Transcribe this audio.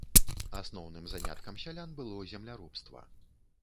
Асноўным заняткам сялян было земляробства.